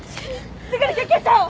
すぐに救急車を！